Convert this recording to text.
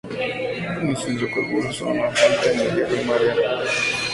Los hidrocarburos son una fuente de energía primaria para las civilizaciones actuales.